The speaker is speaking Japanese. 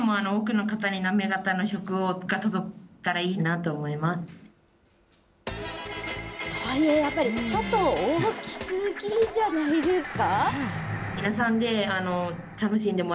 とはいえやっぱり、ちょっと大きすぎじゃないですか。